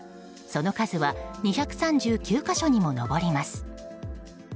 その数は２３９か所にも上ります。